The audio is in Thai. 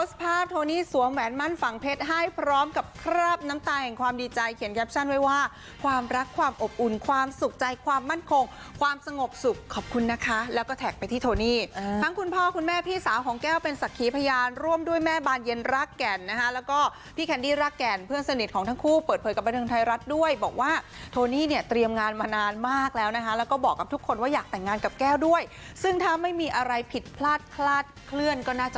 สวัสดีค่ะสวัสดีค่ะสวัสดีค่ะสวัสดีค่ะสวัสดีค่ะสวัสดีค่ะสวัสดีค่ะสวัสดีค่ะสวัสดีค่ะสวัสดีค่ะสวัสดีค่ะสวัสดีค่ะสวัสดีค่ะสวัสดีค่ะสวัสดีค่ะสวัสดีค่ะสวัสดีค่ะสวัสดีค่ะสวัสดีค่ะสวัสดีค่ะสวัสดีค่ะสวัสดีค่ะส